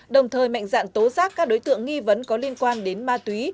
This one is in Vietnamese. đồng thời mạnh dạng tố giác các đối tượng nghi vấn có liên quan đến ma túy